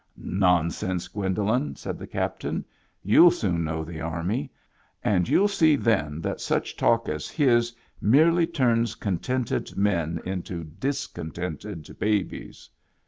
" Nonsense, Gwendolen," said the captain. " You'll soon know the army, and you'll see then that such talk as his merely turns contented men into discontented babies."